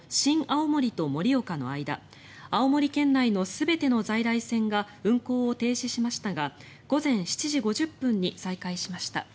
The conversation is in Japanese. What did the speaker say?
青森と盛岡の間青森県内の全ての在来線が運行を停止しましたが午前７時５０分に再開しました。